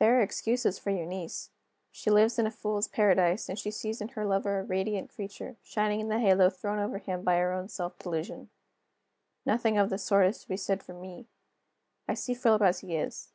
There are excuses for Eunice. She lives in a fools' paradise; and she sees in her lover a radiant creature, shining in the halo thrown over him by her own self delusion, Nothing of this sort is to be said for me. I see Philip as he is.